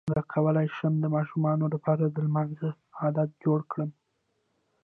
څنګه کولی شم د ماشومانو لپاره د لمانځه عادت جوړ کړم